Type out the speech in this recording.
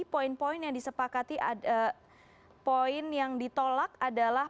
poin poin yang disepakati poin yang ditolak adalah